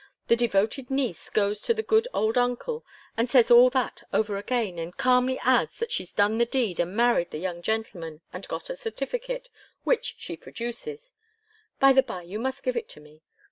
The devoted niece goes to the good old uncle, and says all that over again, and calmly adds that she's done the deed and married the young gentleman and got a certificate, which she produces by the bye, you must give it to me.